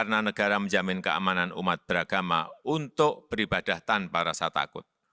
karena negara menjamin keamanan umat beragama untuk beribadah tanpa rasa takut